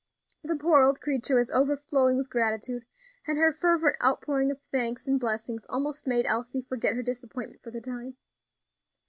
The poor old creature was overflowing with gratitude, and her fervent outpouring of thanks and blessings almost made Elsie forget her disappointment for the time.